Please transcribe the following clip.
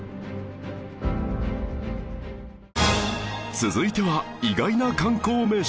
続いては意外な観光名所